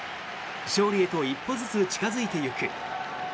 勝利へと一歩ずつ近付いていく。